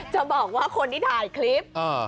จะบอกว่าคนที่ถ่ายคลิป